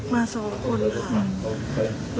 มาสองคนค่ะ